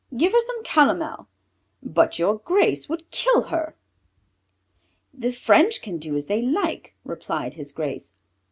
"Give her some calomel." "But Your Grace would kill her!" cried the doctor. "The French can do as they like," replied His Grace.